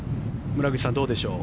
村口さんどうでしょう？